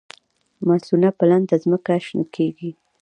ماسونه په لنده ځمکه شنه کیږي